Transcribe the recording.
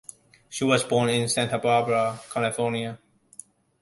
She was born in Santa Barbara, California.